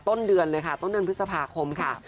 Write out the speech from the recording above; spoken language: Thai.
ต้นเดือนเลยค่ะต้นเดือนพฤษภาคมค่ะ